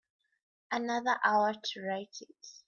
Another hour to write it.